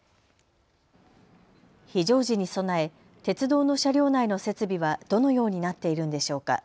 非常時に備え鉄道の車両内の設備はどのようになっているんでしょうか。